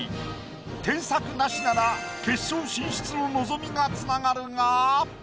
添削なしなら決勝進出の望みがつながるが。